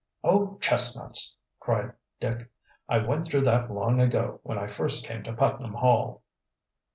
"Oh, chestnuts!" cried Dick. "I went through that long ago, when I first came to Putnam Hall."